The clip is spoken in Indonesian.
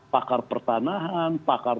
pakar pertanahan pakar